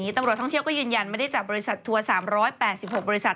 ตำรวจท่องเที่ยวก็ยืนยันไม่ได้จับบริษัททัวร์๓๘๖บริษัท